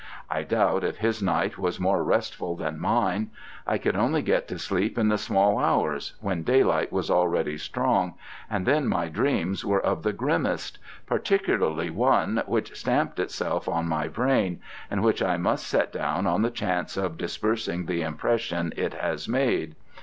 I doubt if his night was more restful than mine. I could only get to sleep in the small hours, when daylight was already strong, and then my dreams were of the grimmest particularly one which stamped itself on my brain, and which I must set down on the chance of dispersing the impression it has made.